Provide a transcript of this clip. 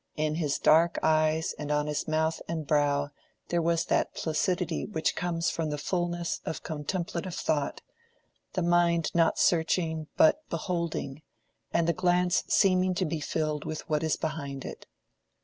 In his dark eyes and on his mouth and brow there was that placidity which comes from the fulness of contemplative thought—the mind not searching, but beholding, and the glance seeming to be filled with what is behind it.